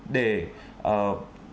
để đối với tổng trọng lượng